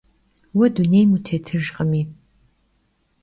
Vue dunêym vutêtıjjkhımi?